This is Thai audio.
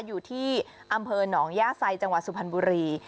อยู่ที่อำเภอหนองย่าไซจังหวัดสุพรรณบุรี